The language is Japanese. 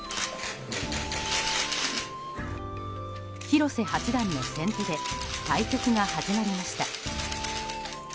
広瀬八段の先手で対局が始まりました。